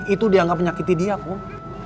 itu dianggap menyakiti dia kok